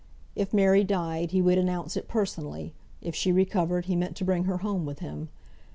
If Mary died, he would announce it personally; if she recovered, he meant to bring her home with him.